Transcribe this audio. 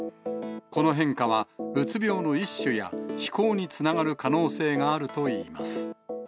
この変化は、うつ病の一種や、非行につながる可能性があるといいます。